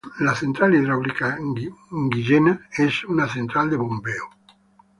La central hidráulica Guillena es una central de bombeo.